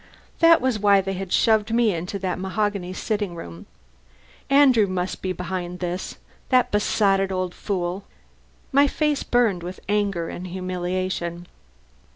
That was why they had shoved me into that mahogany sitting room. Andrew must be behind this. The besotted old fool! My face burned with anger and humiliation.